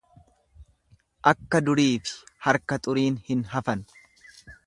Akka duriifi harka xuriin hin hafan.